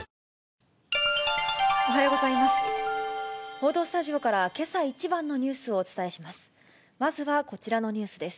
報道スタジオから、けさ一番のニュースをお伝えします。